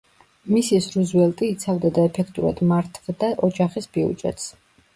მისის რუზველტი იცავდა და ეფექტურად მართვდა ოჯახის ბიუჯეტს.